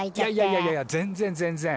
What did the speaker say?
いやいやいや全然全然。